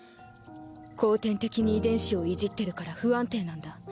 後天的に遺伝子をいじってるから不安定なんだ。